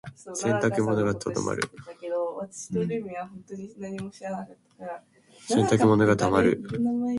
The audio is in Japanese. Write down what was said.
洗濯物が溜まる。